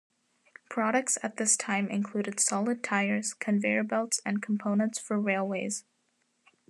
Products at this time included solid tyres, conveyor belts and components for railways.